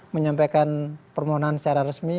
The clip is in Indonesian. menyampaikan permohonan secara resmi